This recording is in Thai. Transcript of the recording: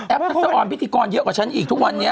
ทักษะออนพิธีกรเยอะกว่าฉันอีกทุกวันนี้